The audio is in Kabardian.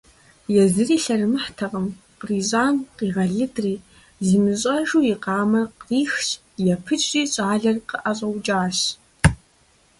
Езыри лъэрымыхьтэкъым, кърищӀам къигъэлыдри, зимыщӀэжу и къамэр кърихщ, епыджри щӏалэр къыӀэщӀэукӀащ.